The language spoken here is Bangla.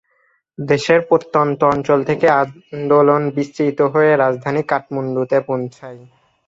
দেশের প্রত্যন্ত অঞ্চল থেকে আন্দোলন বিস্তৃত হয়ে রাজধানী কাঠমান্ডুতে পৌঁছায়।